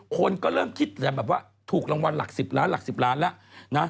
คนก็เริ่มคิดแต่แบบว่าถูกรางวัลหลัก๑๐ล้านหลัก๑๐ล้านแล้วนะ